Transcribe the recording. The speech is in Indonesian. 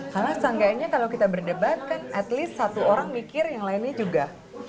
karena seenggaknya kalau kita berdebat kan at least satu orang mikir yang lainnya juga